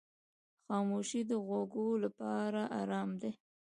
خاموشي د غوږو لپاره آرام دی.